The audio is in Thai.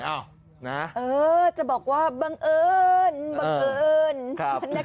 จะบอกว่าบังเอิญบังเอิญ